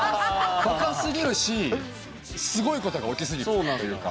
バカすぎるしすごいことが起きすぎるというか。